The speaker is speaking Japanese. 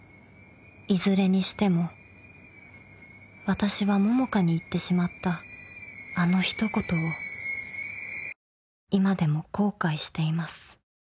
［いずれにしても私は桃香に言ってしまったあの一言を今でも後悔しています］